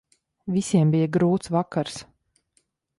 Visiem bija grūts vakars.